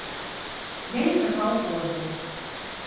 Я не чакаў позву.